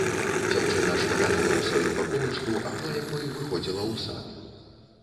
Дзяўчына шмыганула ў сваю баковачку, акно якой выходзіла ў сад.